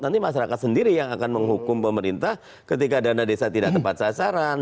nanti masyarakat sendiri yang akan menghukum pemerintah ketika dana desa tidak tepat sasaran